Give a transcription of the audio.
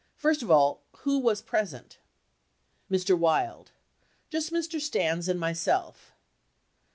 First of all, who was present ? Mr. Wild. Just Mr. Stans and myself.